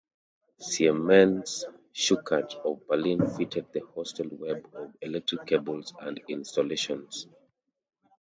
Siemens-Schuckert of Berlin fitted the hotel's web of electric cables and installations.